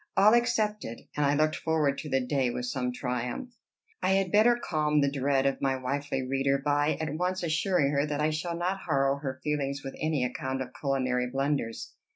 All accepted, and I looked forward to the day with some triumph. I had better calm the dread of my wifely reader by at once assuring her that I shall not harrow her feelings with any account of culinary blunders.